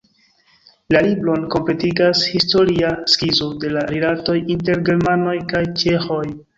La libron kompletigas historia skizo de la rilatoj inter germanoj kaj ĉeĥoj.